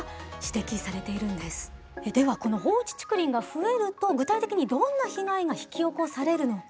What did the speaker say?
ではこの放置竹林が増えると具体的にどんな被害が引き起こされるのか。